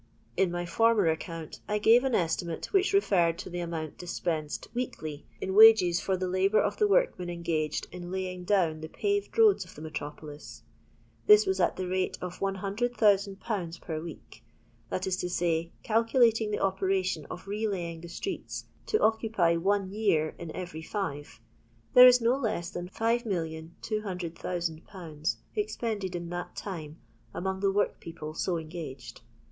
In my former account I gave an estimate which referred to tho amount dispensed weekly in wages for the labour of the workmen engaged in lajring down the paved roads of the metropolis. This was at the rate of 100,000/. per week; that is to say, calculating the operation of relaying tho •treets to occupy one year in every five,* there is no less than 5,200,000/. expended in that time among the workpeople so engaged.